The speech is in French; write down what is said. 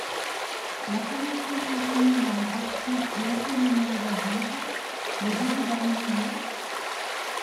La formation continue dans la partie L’enseignement aux adultes : le début d’un renouveau ?